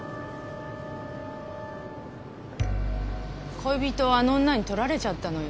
恋人をあの女に取られちゃったのよ